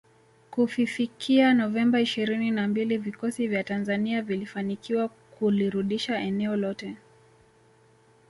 Kufifikia Novemba ishirini na mbili vikosi vya Tanzania vilifanikiwa kulirudisha eneo lote